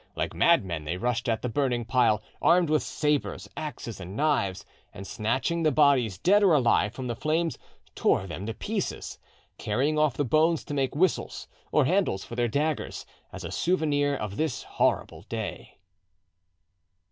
Like madmen, they rushed at the burning pile,—armed with sabres, axes, and knives, and snatching the bodies dead or alive from the flames, tore them to pieces, carrying off the bones to make whistles or handles for their daggers as a souvenir of this horrible day.